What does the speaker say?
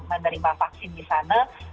menerima vaksin di sana